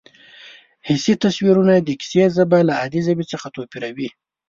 حسي تصویرونه د کیسې ژبه له عادي ژبې څخه توپیروي